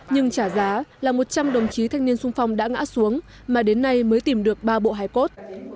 nhưng trả giá là một trăm linh đồng chí thanh niên sung phong đã ngã xuống mà đến nay mới tìm được ba bộ hài cốt